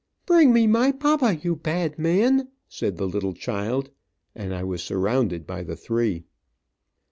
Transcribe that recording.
"Bring me my papa, you bad man!" said the little child, and I was surrounded by the three.